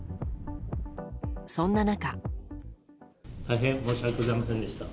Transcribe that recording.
そんな中。